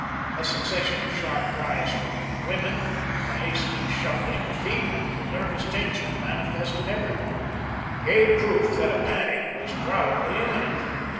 A succession of sharp cries from women, the hasty shuffling of feet, and the nervous tension manifest in every one, gave proof that a panic was probably imminent.